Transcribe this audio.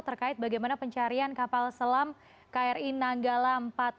terkait bagaimana pencarian kapal selam kri nanggala empat ratus dua